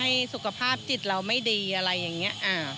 สุขภาพจิตเราไม่ดีอะไรอย่างนี้